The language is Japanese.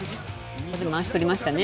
まわし、とりましたね。